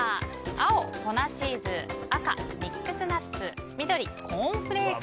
青、粉チーズ赤、ミックスナッツ緑、コーンフレーク。